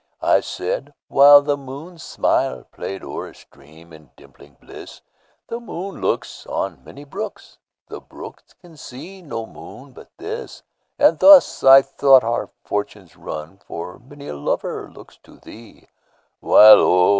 I said (whileThe moon's smilePlay'd o'er a stream, in dimpling bliss),The moon looksOn many brooks, The brook can see no moon but this; And thus, I thought, our fortunes run, For many a lover looks to thee, While oh!